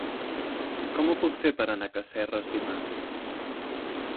Com ho puc fer per anar a Casserres dimarts?